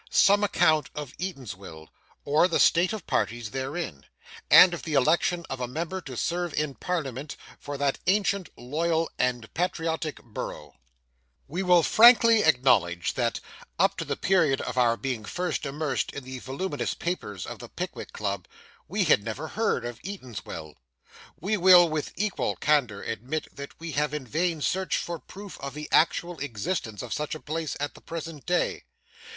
SOME ACCOUNT OF EATANSWILL; OF THE STATE OF PARTIES THEREIN; AND OF THE ELECTION OF A MEMBER TO SERVE IN PARLIAMENT FOR THAT ANCIENT, LOYAL, AND PATRIOTIC BOROUGH We will frankly acknowledge that, up to the period of our being first immersed in the voluminous papers of the Pickwick Club, we had never heard of Eatanswill; we will with equal candour admit that we have in vain searched for proof of the actual existence of such a place at the present day.